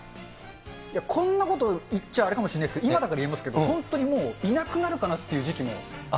こんなこと言っちゃあれかもしれないですけど、今だから言えますけど、本当にもういなくなるかなっていう時期も。